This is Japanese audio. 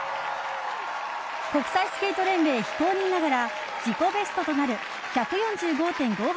国際スケート連盟非公認ながら自己ベストとなる１４５．５８